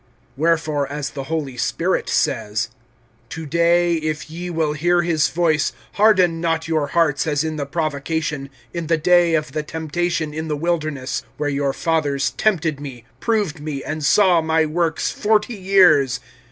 (7)Wherefore, as the Holy Spirit says: To day, if ye will hear his voice, (8)Harden not your hearts, as in the provocation, In the day of the temptation in the wilderness; (9)Where your fathers tempted me, Proved me, and saw my works, forty years.